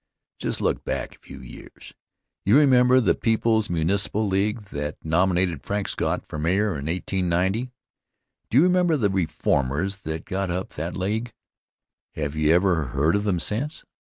Just look back a few years. You remember the People's Municipal League that nominated Frank Scott for mayor in 1890? Do you remember the reformers that got up that league? Have you ever heard of them since?